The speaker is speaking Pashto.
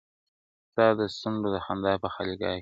ستا د سونډو د خندا په خاليگاه كـي,